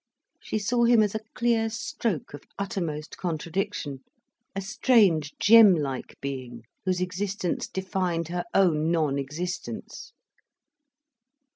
She saw him as a clear stroke of uttermost contradiction, a strange gem like being whose existence defined her own non existence.